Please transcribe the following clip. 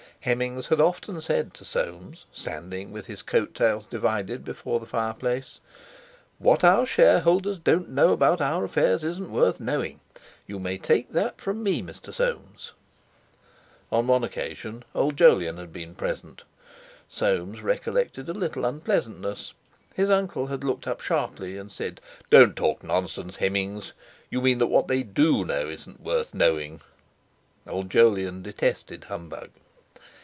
Hemmings had often said to Soames, standing with his coat tails divided before the fireplace: "What our Shareholders don't know about our affairs isn't worth knowing. You may take that from me, Mr. Soames." On one occasion, old Jolyon being present, Soames recollected a little unpleasantness. His uncle had looked up sharply and said: "Don't talk nonsense, Hemmings! You mean that what they do know isn't worth knowing!" Old Jolyon detested humbug.